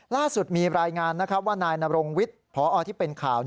ล่าสุดมีรายงานนะครับว่านายนรงวิทย์พอที่เป็นข่าว